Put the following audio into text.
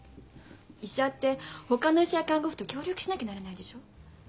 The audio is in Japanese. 医者ってほかの医者や看護婦と協力しなきゃならないでしょ。